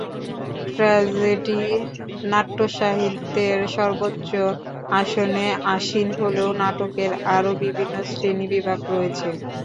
Tragedy নাট্যসাহিত্যের সর্বোচ্চ আসনে আসীন হলেও নাটকের আরও বিভিন্ন শ্রেণিবিভাগ রয়েছে।